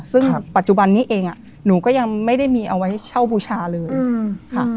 ซึ่งปัจจุบันนี้เองหนูก็ยังไม่ได้มีเอาไว้เช่าบูชาเลยค่ะ